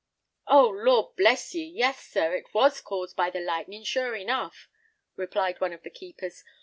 "Oh! Lord bless ye; yes, sir, it was caused by the lightning, sure enough," replied one of the keepers.